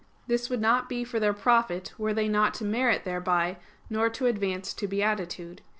This would not be for their profit were they not to merit thereby, nor to advance to beatitude.